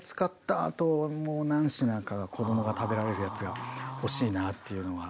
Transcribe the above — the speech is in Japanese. あともう何品か子どもが食べられるやつが欲しいなっていうのが。